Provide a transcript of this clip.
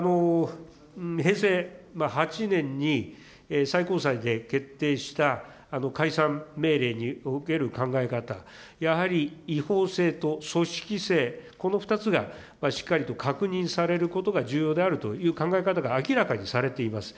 平成８年に最高裁で決定した解散命令における考え方、やはり違法性と組織性、この２つがしっかりと確認されることが重要であるという考え方が明らかにされています。